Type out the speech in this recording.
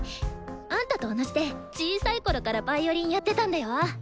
あんたと同じで小さいころからヴァイオリンやってたんだよ。